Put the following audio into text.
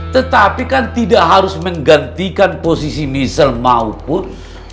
tetapi kan tidak harus menggantikan posisi misal maupun